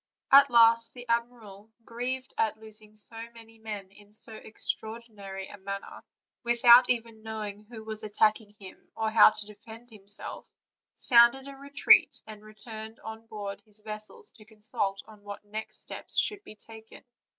At last the admiral, grieved at losing so many men in so ex traordinary a manner, without even knowing who was attacking him, or how to defend himself, sounded a re treat, and returned on board his vessels to consult on what steps should next be taken.